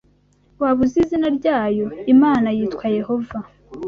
Waba uzi izina ryayo Imana yitwa Yehova